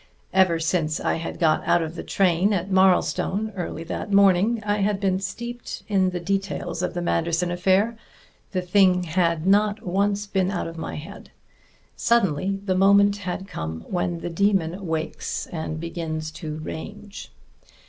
Ever since I had got out of the train at Marlstone early that morning I had been steeped in details of the Manderson affair; the thing had not once been out of my head. Suddenly the moment had come when the dæmon wakes and begins to range.